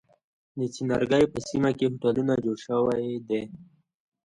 د څنارګی په سیمه کی هوټلونه جوړ شوی دی.